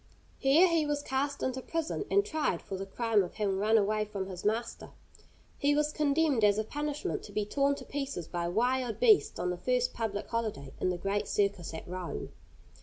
Here he was cast into prison and tried for the crime of having run away from his master. He was condemned as a punishment to be torn to pieces by wild beasts on the first public holiday, in the great circus at Rome.